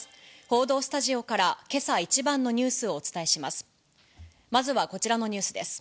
報道スタジオからけさ一番のニュースをお伝えします。